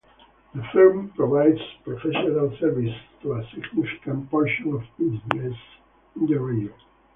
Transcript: The firm provides professional services to a significant portion of businesses in the region.